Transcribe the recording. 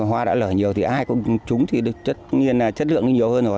hoa đã lở nhiều thì ai cũng trúng thì chất lượng nó nhiều hơn rồi